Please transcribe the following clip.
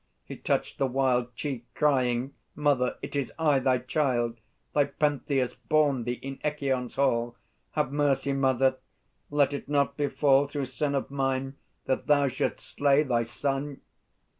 He touched the wild Cheek, crying: "Mother, it is I, thy child, Thy Pentheus, born thee in Echîon's hall! Have mercy, Mother! Let it not befall Through sin of mine, that thou shouldst slay thy son!"